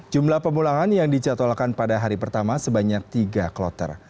jumlah pemulangan yang dicatalkan pada hari pertama sebanyak tiga kloter